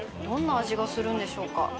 どんな味がするんでしょうか。